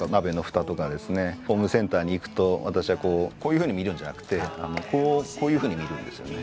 ホームセンターに行くと私はこうこういうふうに見るんじゃなくてこういうふうに見るんですよね。